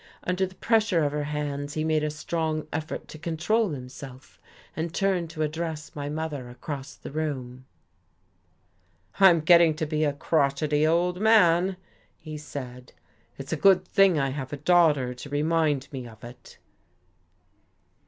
Under the pressure of her hands he made a strong effort to control himself, and turned to address my mother across the room. "I'm getting to be a crotchety old man," he said. "It's a good thing I have a daughter to remind me of it."